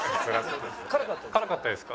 「辛かったですか？」。